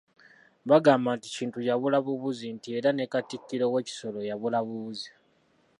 Bagamba nti Kintu yabula bubuzi, nti era ne Katikkiro we Kisolo yabula bubuzi.